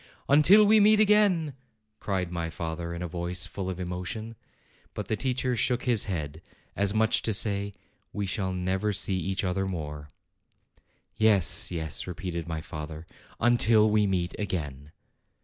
"Until we meet again!" cried my father, in a voice full of emotion. But the teacher shook his head, as much as to say, "We shall never see each other more." "Yes, yes," repeated my father, "until we meet again!"